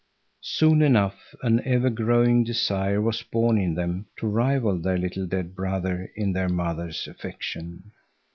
Soon enough an ever growing desire was born in them to rival their little dead brother in their mother's affection.